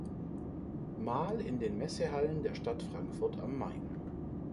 Mal in den Messehallen der Stadt Frankfurt am Main.